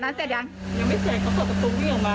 ยังไม่เสร็จเขาขอประตูวิ่งออกมา